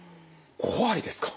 ５割ですか。